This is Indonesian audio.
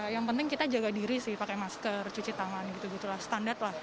yang penting kita jaga diri sih pakai masker cuci tangan gitu gitu lah standar lah